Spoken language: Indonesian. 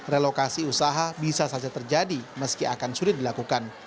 relokasi usaha bisa saja terjadi meski akan sulit dilakukan